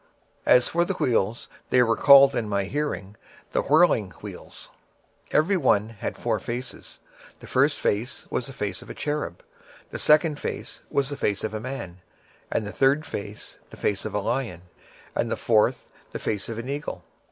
26:010:013 As for the wheels, it was cried unto them in my hearing, O wheel. 26:010:014 And every one had four faces: the first face was the face of a cherub, and the second face was the face of a man, and the third the face of a lion, and the fourth the face of an eagle.